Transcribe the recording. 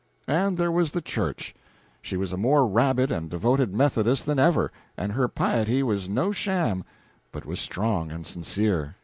And there was the church. She was a more rabid and devoted Methodist than ever, and her piety was no sham, but was strong and sincere.